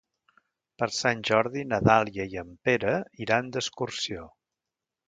Per Sant Jordi na Dàlia i en Pere iran d'excursió.